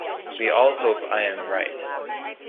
We all hope I am right.